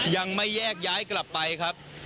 ยังไม่แยกย้ายกลับไปครับ